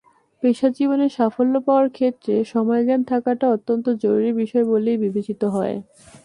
পেশাজীবনে সাফল্য পাওয়ার ক্ষেত্রে সময়জ্ঞান থাকাটা অত্যন্ত জরুরি বিষয় বলেই বিবেচিত হয়।